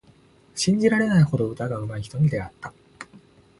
信じられないほど歌がうまい人に出会った。